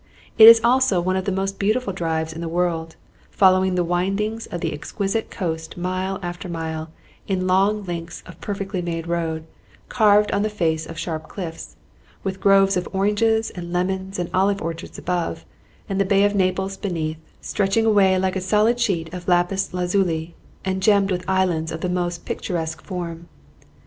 It is also one of the most beautiful drives in the world, following the windings of the exquisite coast mile after mile, in long links of perfectly made road, carved on the face of sharp cliffs, with groves of oranges and lemons and olive orchards above, and the Bay of Naples beneath, stretching away like a solid sheet of lapis lazuli, and gemmed with islands of the most picturesque form.